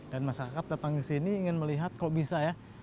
dan masyarakat datang ke sini ingin melihat kok bisa ya